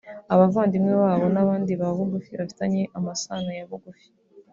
abavandimwe babo n’abandi ba bugufi bafitanye amasano ya bugufi